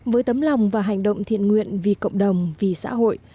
với tấm lòng và hành động thiện nguyện vì cộng đồng vì xã hội